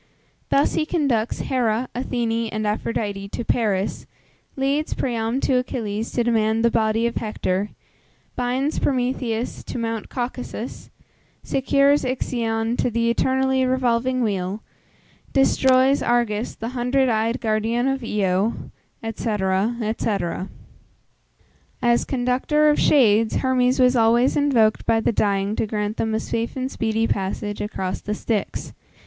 Thus he conducts Hera, Athene, and Aphrodite to Paris, leads Priam to Achilles to demand the body of Hector, binds Prometheus to Mount Caucasus, secures Ixion to the eternally revolving wheel, destroys Argus, the hundred eyed guardian of Io, &c. &c. As conductor of shades, Hermes was always invoked by the dying to grant them a safe and speedy passage across the Styx.